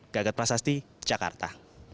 gagat prasasti jakarta